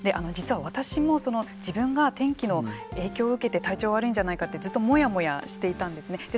実は、私も自分が天気の影響を受けて体調が悪いんじゃないかってずっともやもやしていたんですね。